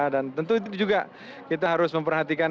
dan tentu juga kita harus memperhatikan